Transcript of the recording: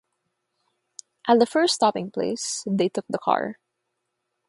At the first stopping-place they took the car.